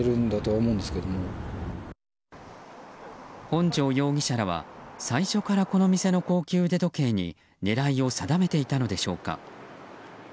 本城容疑者らは最初からこの店の高級腕時計に狙いを定めていたのでしょうか。